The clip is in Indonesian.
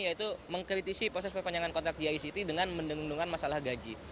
yaitu mengkritisi proses perpanjangan kontrak gict dengan mendengung dengungan masalah gaji